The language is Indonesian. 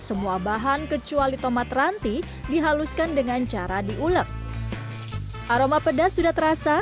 semua bahan kecuali tomat ranti dihaluskan dengan cara diulek aroma pedas sudah terasa